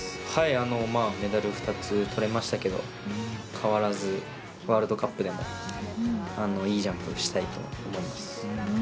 メダル２つとれましたけど変わらずワールドカップでもいいジャンプをしたいと思います。